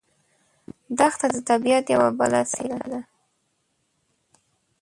دښته د طبیعت یوه بله څېره ده.